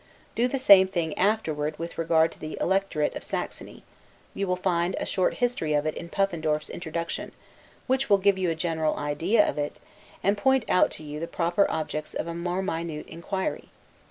Do the same thing afterward with regard to the Electorate of Saxony: you will find a short history of it in Puffendorf's Introduction, which will give you a general idea of it, and point out to you the proper objects of a more minute inquiry.